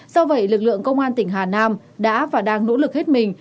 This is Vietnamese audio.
do vậy lực lượng công an tỉnh hà nam đã và đang nỗ lực hết mình